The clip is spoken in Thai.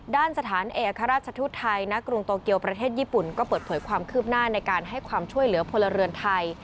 ด้านสถานเอกราชทูตไทยณกรุงโตเกียวประเทศญี่ปุ่นก็เปิดเผยความคืบหน้าในการให้ความช่วยเหลือพลเรือนไทย